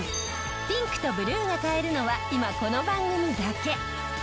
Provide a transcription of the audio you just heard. ピンクとブルーが買えるのは今この番組だけ！